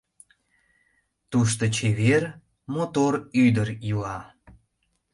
Тушто чевер, мотор ӱдыр ила...